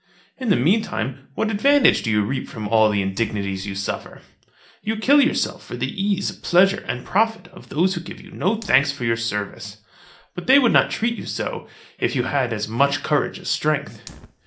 In the mean time, what advantage do you reap from all the indignities you suffer." You kill yourself for the ease, pleasure, and profit of those who give you no thanks for your service. But they would not treat you so, if you had as much courage as strength.